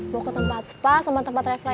mau ke tempat spa sama tempat travely